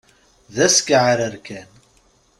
D askeɛrer kan!